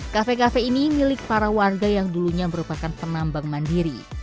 kafe kafe ini milik para warga yang dulunya merupakan penambang mandiri